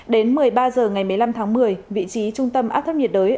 đến một mươi ba h ngày một mươi năm tháng một mươi vị trí trung tâm áp thấp nhiệt đới